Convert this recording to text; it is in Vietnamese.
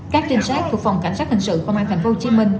các trinh sát của phòng cảnh sát hình sự công an tp hcm